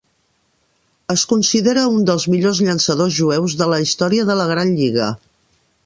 Es considera un dels millors llançadors jueus de la història de la gran lliga.